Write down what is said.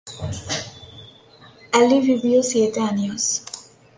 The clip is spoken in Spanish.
Allí vivió siete años.